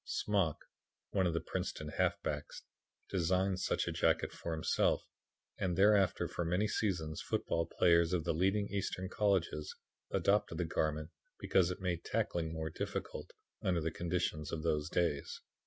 Smock, one of the Princeton halfbacks, designed such a jacket for himself and thereafter for many seasons football players of the leading Eastern colleges adopted the garment because it made tackling more difficult under the conditions of those days.